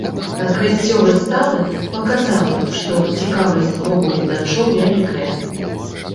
Адкрыццё выставы паказала, што цікавасць з боку гледачоў вялікая.